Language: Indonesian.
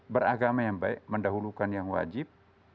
beragama yang baik mendahulukan yang wajib